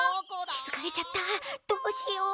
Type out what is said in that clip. きづかれちゃったどうしよう。